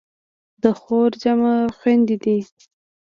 د خور جمع خویندې دي.